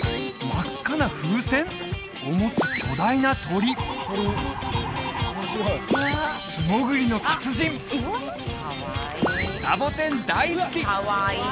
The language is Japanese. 真っ赤な風船！？を持つ巨大な鳥素潜りの達人サボテン大好き！